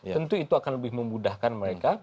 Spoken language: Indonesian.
tentu itu akan lebih memudahkan mereka